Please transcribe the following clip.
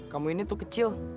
kamu ini tuh kecil